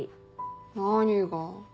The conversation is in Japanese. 何が？